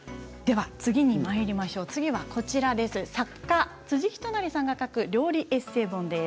次は、作家・辻仁成さんが書く料理エッセー本です。